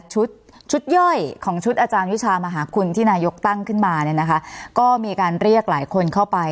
ชุดย่อยของชุดอาจารย์ยุชาคุณที่นายกตั้งขึ้นมาก็เรียกหลายคนเข้าไป